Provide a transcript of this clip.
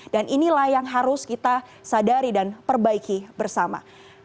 dan inilah yang harus kita sadari dan perbaiki bersama